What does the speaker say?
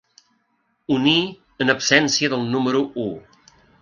Unir en absència del número u.